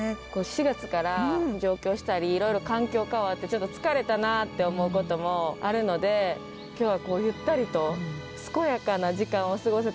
４月から上京したりいろいろ環境変わってちょっと疲れたなって思うこともあるので今日はゆったりと健やかな時間を過ごせたらなって思います。